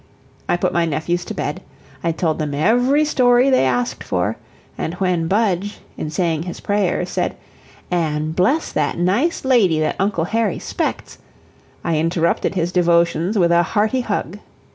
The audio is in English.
I put my nephews to bed; I told them every story they asked for; and when Budge, in saying his prayers, said "an' bless that nice lady that Uncle Harry 'spects," I interrupted his devotions with a hearty hug.